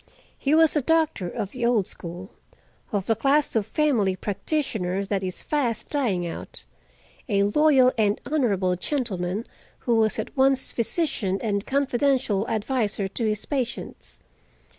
He was a doctor of the old school, of the class of family practitioner that is fast dying out; a loyal and honorable gentleman who was at once physician and confidential adviser to his patients.